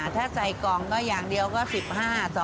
ถ้าใส่กล่องก็อย่างเดียวก็๑๕ซอง